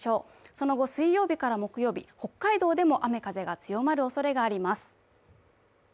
その後、水曜日から木曜日、北海道でも雨・風が強まるおそれがあります。